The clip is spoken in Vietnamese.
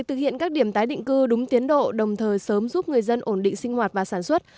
thực hiện các điểm tái định cư đúng tiến độ đồng thời sớm giúp người dân ổn định sinh hoạt và sản xuất